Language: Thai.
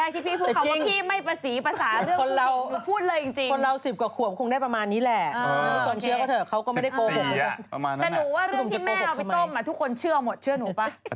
ที่แม่เอาไปต้มทุกคนเชื่อหมดเชื่อหนูเปล่า